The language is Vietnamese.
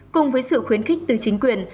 cùng với sự khuyến khích từ chính quyền